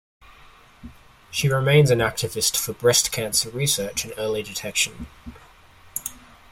She remains an activist for breast cancer research and early detection.